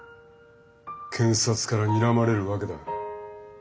検察からにらまれるわけだ。